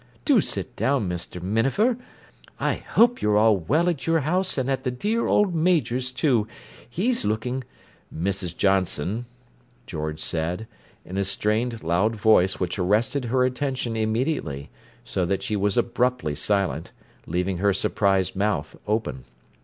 Do sit down, Mr. Minafer. I hope you're all well at your house and at the dear old Major's, too. He's looking—" "Mrs. Johnson" George said, in a strained loud voice which arrested her attention immediately, so that she was abruptly silent, leaving her surprised mouth open.